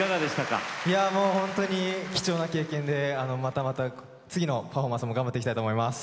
いやもう本当に貴重な経験でまたまた次のパフォーマンスも頑張っていきたいと思います。